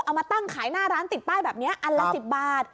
เอามาตั้งขายหน้าร้านติดป้ายแบบนี้อันละ๑๐บาท